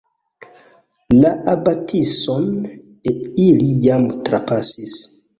La abatison ili jam trapasis.